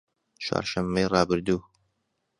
چوارشەممەی ڕابردوو